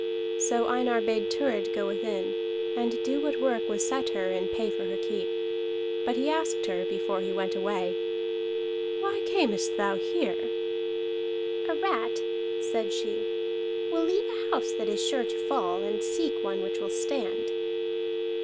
So Einar bade Thurid go within, and do what work was set her, in pay for her keep. But he asked her before he went away: "Why camest thou here?" "A rat," said she, "will leave a house that is sure to fall, and seek one which will stand."